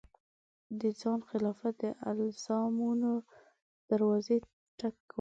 د ځان خلاف د الزامونو دروازې ټک وم